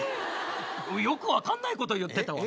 よく分かんないこと言ってたわ。